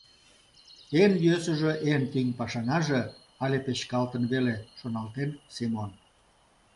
Эн йӧсыжӧ, эн тӱҥ пашанаже але печкалтын веле», — шоналтен Семон.